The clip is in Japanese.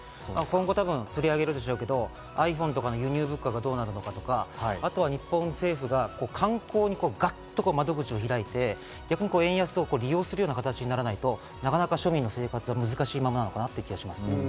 今後多分、取り上げるでしょうけど、ｉＰｈｏｎｅとかの輸入物価がどうなるのかとか、日本政府が観光にガッと窓口を開いて、円安を利用するような形にならないと、なかなか庶民の生活は難しいままなのかなという気がしますね。